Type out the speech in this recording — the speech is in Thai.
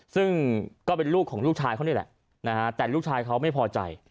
ซึ่งก็เป็นลูกของลูกชายเขานี่แหละนะฮะแต่ลูกชายเขาไม่พอใจ